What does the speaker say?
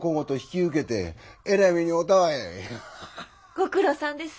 ご苦労さんです。